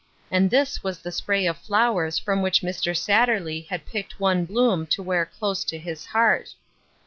And this was the spray of flowers from which Mr. Satterley had picked one bloom to wear close to his heart.